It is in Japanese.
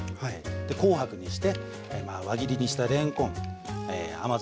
で紅白にして輪切りにしたれんこん甘酢でサッと煮る。